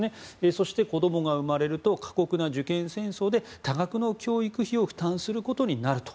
そして、子供が生まれると過酷な受験戦争で多額の教育費を負担することになると。